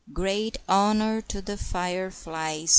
"Great honor to the fire flies!"